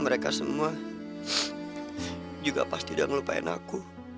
mereka semua juga pasti udah melupain aku